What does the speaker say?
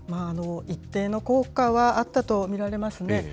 一定の効果はあったと見られますね。